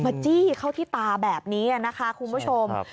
จี้เข้าที่ตาแบบนี้นะคะคุณผู้ชม